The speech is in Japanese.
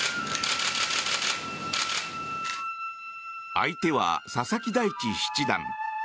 相手は佐々木大地七段。